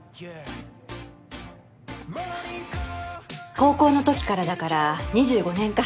高校の時からだから２５年か。